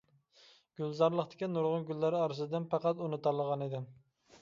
گۈلزارلىقتىكى نۇرغۇن گۈللەر ئارىسىدىن پەقەت ئۇنى تاللىغان ئىدىم.